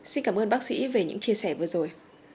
xin cảm ơn bác sĩ về những chia sẻ vừa rồi